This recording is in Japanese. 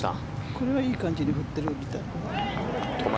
これはいい感じに振っているみたい。